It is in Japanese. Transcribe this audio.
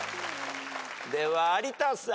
では有田さん。